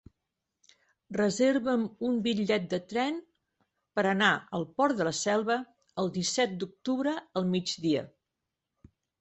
Reserva'm un bitllet de tren per anar al Port de la Selva el disset d'octubre al migdia.